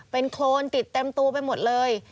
เป็นโครนติดเต็มตัวไปหมดเลย